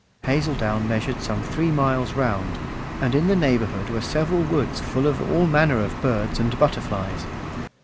Hazeldown measured some three miles round, and in the neighbourhood were several woods full of all manner of birds and butterflies.